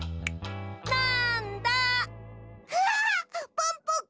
ポンポコ。